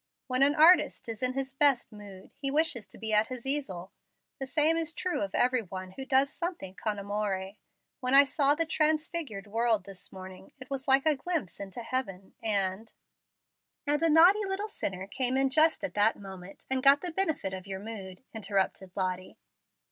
When an artist is in his best mood, he wishes to be at his easel. The same is true of every one who does something con amore. When I saw the transfigured world this morning, it was like a glimpse into heaven, and " "And a naughty little sinner came in just at that moment, and got the benefit of your mood," interrupted Lottie.